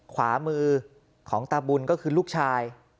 ขวามือของตาบุญก็คือลูกชาย